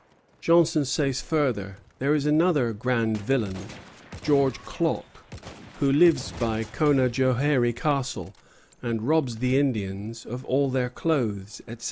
Johnson says further: "There is another grand villain, George Clock, who lives by Conajoharie Castle, and robs the Indians of all their cloaths, etc."